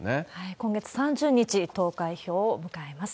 今月３０日、投開票を迎えます。